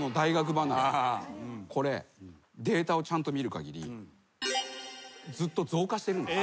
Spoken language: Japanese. これデータをちゃんと見るかぎりずっと増加してるんです。